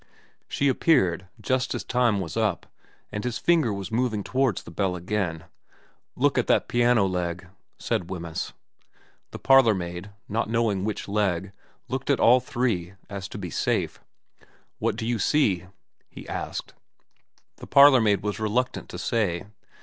She appeared just as time was up and his finger was moving towards the bell again. ' Look at that piano leg,' said Wemyss. 232 VERA in The parlourmaid, not knowing which leg, looked at all three so as to be safe. 4 What do you see ?' he asked. The parlourmaid was reluctant to say.